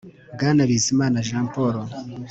Bwana BIZIMANA Jean Paul